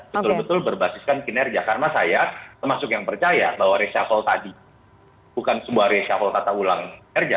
betul betul berbasiskan kinerja karena saya termasuk yang percaya bahwa reshuffle tadi bukan sebuah reshuffle tata ulang kerja